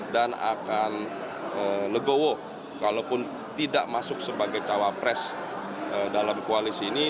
dan akan legowo walaupun tidak masuk sebagai cawapres dalam koalisi ini